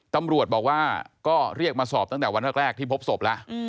ตำรวจบอกว่าก็เรียกมาสอบตั้งแต่วันแรกที่พบศพแล้ว